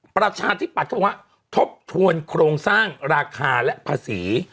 ประชาธิปัตย์เขาบอกว่าทบทวนโครงสร้างราคาและภาษี